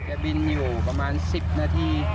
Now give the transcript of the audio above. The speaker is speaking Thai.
บินอยู่ประมาณ๑๐นาที